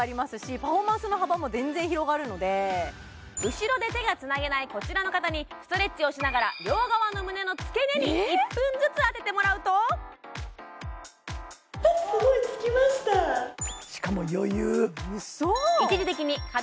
後ろで手がつなげないこちらの方にストレッチをしながら両側の胸の付け根に１分ずつ当ててもらうとしかも余裕ウソ？